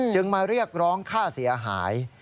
มาเรียกร้องค่าเสียหาย